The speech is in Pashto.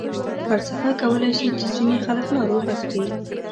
فلسفه کولای شي چې ځینې خلک ناروغه کړي.